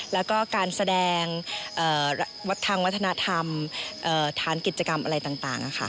แล้วก็การแสดงทางวัฒนธรรมฐานกิจกรรมอะไรต่าง